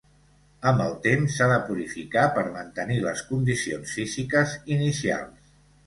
Amb el temps s'ha de purificar per mantenir les condicions físiques inicials.